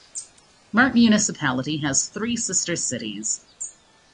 Mark Municipality has three sister cities.